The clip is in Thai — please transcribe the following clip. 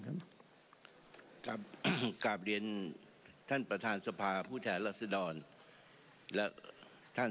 ครับกราบเดียนท่านประธานสภาผู้แถลลักษณ์ดอนและท่าน